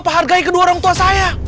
bapak hargai kedua orang tua saya